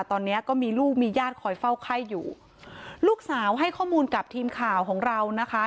ตอนนี้ก็มีลูกมีญาติคอยเฝ้าไข้อยู่ลูกสาวให้ข้อมูลกับทีมข่าวของเรานะคะ